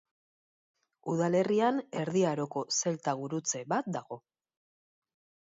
Udalerrian Erdi Aroko zelta gurutze bat dago.